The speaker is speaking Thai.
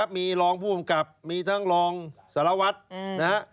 มีรองผู้กำกับมีทั้งรองสลวัสดิ์